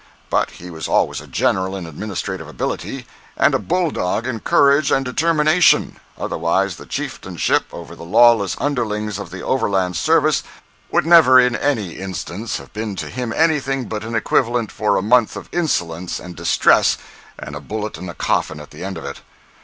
But he was always a general in administrative ability, and a bull dog in courage and determination—otherwise the chieftainship over the lawless underlings of the overland service would never in any instance have been to him anything but an equivalent for a month of insolence and distress and a bullet and a coffin at the end of it.